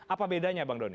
apa bedanya bang doni